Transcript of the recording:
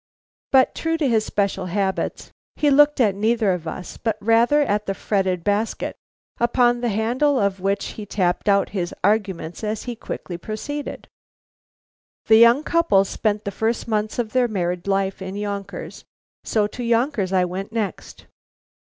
But true to his special habits, he looked at neither of us, but rather at the fretted basket, upon the handle of which he tapped out his arguments as he quickly proceeded: "The young couple spent the first months of their married life in Yonkers; so to Yonkers I went next.